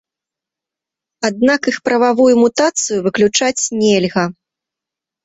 Аднак іх прававую мутацыю выключаць нельга.